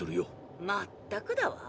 まったくだわ！